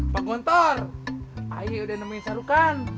pak gontor ayi udah nemuin sarukan